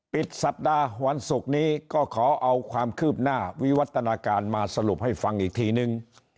ปิดสัปดาห์วันศุกร์นี้ก็ขอเอาความคืบหน้าวิวัฒนาการมาสรุปให้ฟังอีกทีนึง